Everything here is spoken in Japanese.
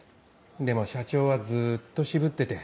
でも社長はずっと渋ってて。